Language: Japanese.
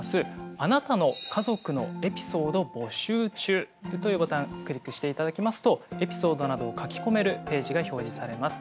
「あなたの家族のエピソード募集中！」というボタンクリックしていただきますとエピソードなどを書き込めるページが表示されます。